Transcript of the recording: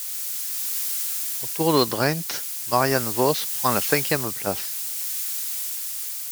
Au Tour de Drenthe, Marianne Vos prend la cinquième place.